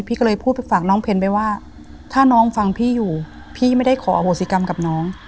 พี่ก็เลยพูดไปฝากน้องเพนไปว่าถ้าน้องฟังพี่อยู่พี่ไม่ได้ขออโหสิกรรมกับน้อง